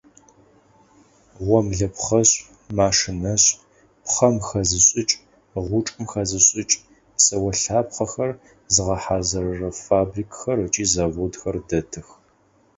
Гъомлэпхъэшӏ, машинэшӏ, пхъэм хэзышӏыкӏ, гъучӏым хэзышӏыкӏ, псэолъапхъэхэр зыгъэхьазырырэ фабрикхэр ыкӏи заводхэр дэтых.